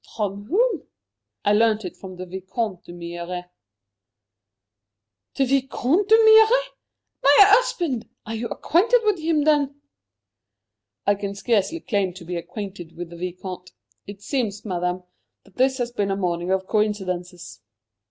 From whom?" "I learnt it from the Vicomte d'Humières." "The Vicomte d'Humières! My husband! Are you acquainted with him, then?" "I can scarcely claim to be acquainted with the Vicomte. It seems, Madame, that this has been a morning of coincidences.